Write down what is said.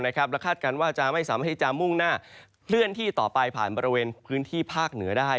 และคาดการณ์ว่าจะไม่สามารถที่จะมุ่งหน้าเคลื่อนที่ต่อไปผ่านบริเวณพื้นที่ภาคเหนือได้